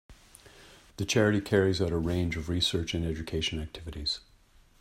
The charity carries out a range of research and education activities.